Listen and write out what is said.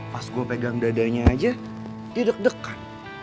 pas gue pegang dadanya aja dia deg degan